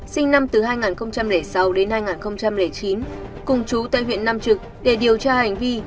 sinh năm hai nghìn sáu đến hai nghìn chín cùng chú tại huyện nam trực để điều tra hành vi